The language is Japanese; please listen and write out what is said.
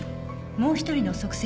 もう一人の足跡